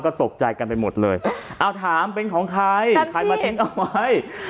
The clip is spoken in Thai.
ก็ตกใจกันไปหมดเลยเอาถามเป็นของใครใครมาทิ้งเอาไว้